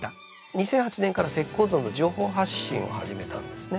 ２００８年から石膏像の情報発信を始めたんですね。